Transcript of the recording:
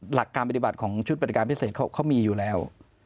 หลักการปฏิบัติของชุดปฏิบัติการพิเศษเขามีอยู่แล้ว